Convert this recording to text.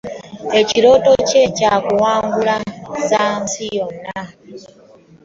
Ekirooto kye kya kuwangula za nsi yonna.